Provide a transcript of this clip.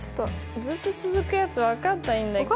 ずっと続くやつ分かんないんだけど。